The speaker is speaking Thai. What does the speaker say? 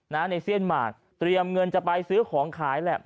ในเซียนหมากเตรียมเงินจะไปซื้อของขายแหละ